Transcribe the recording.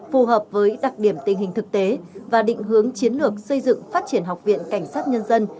phù hợp với đặc điểm tình hình thực tế và định hướng chiến lược xây dựng phát triển học viện cảnh sát nhân dân